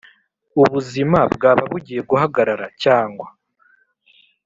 ubuzima bwaba bugiye guhagarara cyangwa